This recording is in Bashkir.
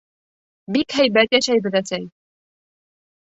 Бик һәйбәт йәшәйбеҙ, әсәй.